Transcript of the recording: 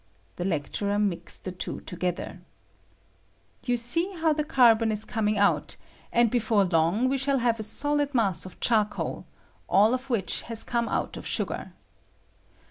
[The lecturer mixed the two together.] You see how the carbon ia coming out, and before long we shall have a solid mass of charcoal, all of which has come out of sugar.